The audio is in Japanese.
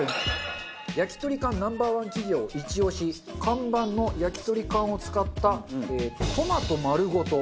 焼き鳥缶Ｎｏ．１企業イチオシ看板の焼き鳥缶を使ったトマト丸ごと！